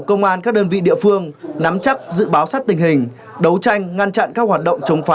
công an các đơn vị địa phương nắm chắc dự báo sát tình hình đấu tranh ngăn chặn các hoạt động chống phá